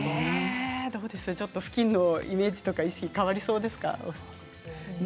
ふきんのイメージ意識が変わりそうですか？